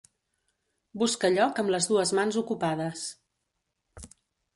Busca lloc amb les dues mans ocupades.